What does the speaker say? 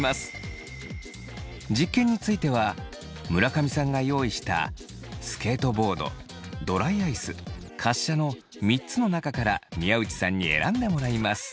実験については村上さんが用意したスケートボードドライアイス滑車の３つの中から宮内さんに選んでもらいます。